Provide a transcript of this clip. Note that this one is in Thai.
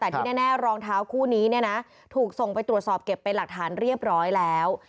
แต่ที่แน่รองเท้าคู่นี้เนี่ยนะถูกส่งไปตรวจสอบเก็บเป็นหลักฐานเรียบร้อยแล้ว